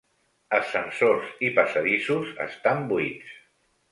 Ascensors i passadissos estan buits.